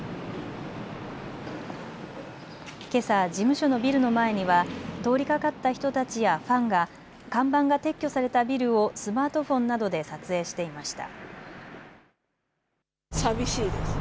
けさ事務所のビルの前には通りかかった人たちやファンが看板が撤去されたビルをスマートフォンなどで撮影していました。